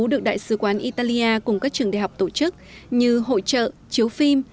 được đại sứ quán italia cùng các trường đại học tổ chức như hội trợ chiếu phim